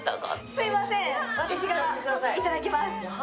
すいません、私がいただきます！